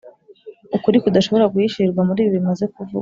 ukuli kudashobora guhishirwa muri ibi bimaze kuvugwa,